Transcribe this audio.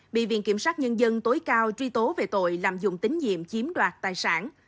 bị viện kiểm sát nhân dân tối cao truy tố về tội lạm dụng tín nhiệm chiếm đoạt tài sản